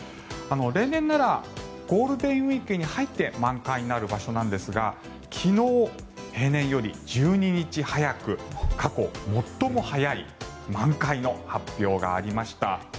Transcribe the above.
例年ならゴールデンウィークに入って満開になる場所なんですが昨日、平年より１２日早く過去最も早い満開の発表がありました。